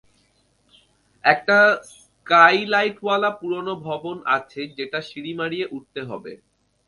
একটা স্কাইলাইটওয়ালা পুরনো ভবন আছে যেটা সিড়ি মাড়িয়ে উঠতে হবে!